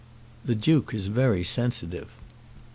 "The Duke is very sensitive."